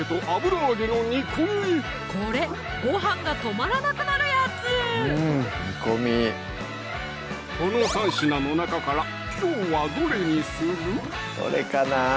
これごはんが止まらなくなるやつこの３品の中からきょうはどれにする？